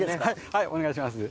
はいお願いします。